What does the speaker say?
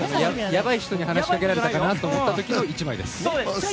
やばい人に話しかけられたかなと思った時の１枚です。